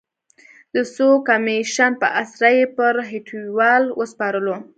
د څو کمېشن په اسره یې پر هټیوال وسپارلو.